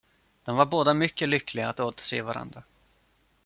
De var båda två mycket lyckliga att återse varandra.